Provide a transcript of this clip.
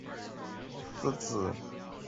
林邦桢之子。